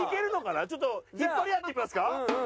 ちょっと引っ張り合ってみますか？